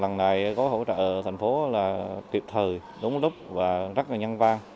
lần này có hỗ trợ thành phố là kịp thời đúng lúc và rất là nhân vang